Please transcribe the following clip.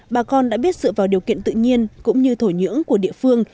bà con đã biết dựa vào điều kiện tự nhiên cũng như thổ nhưỡng của địa phương